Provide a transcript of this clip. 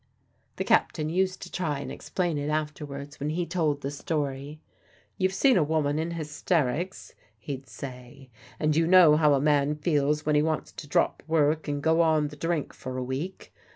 The captain used to try and explain it afterwards when he told the story. "You've seen a woman in hysterics," he'd say, "and you know how a man feels when he wants to drop work and go on the drink for a week.